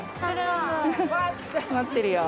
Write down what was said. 「待ってるよ」。